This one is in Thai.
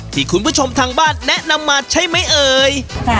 ที่คุณผู้ชมทางบ้านแนะนำมาใช่ไหมเอ่ย